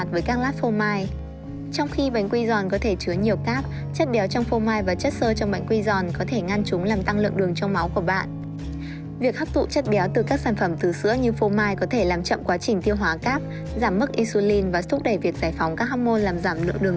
việc giải phóng các hormôn làm giảm lượng đường